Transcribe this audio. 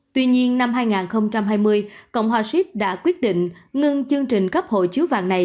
tuy nhiên năm hai nghìn hai mươi cộng hòa ship đã quyết định ngưng chương trình cấp hội chứa vàng này